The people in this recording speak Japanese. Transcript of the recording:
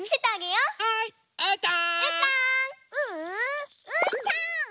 うーたん！